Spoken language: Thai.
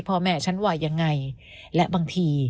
พ่อแม่ฉันว่ายังไง